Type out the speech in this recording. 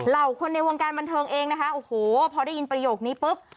คนในวงการบันเทิงเองนะคะโอ้โหพอได้ยินประโยคนี้ปุ๊บ